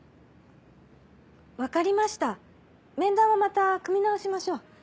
分かりました面談はまた組み直しましょう。